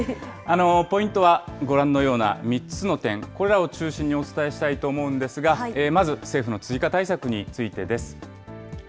ポイントはご覧のような３つの点、これらを中心にお伝えしたいと思うんですが、まず政府の追加対策についてです。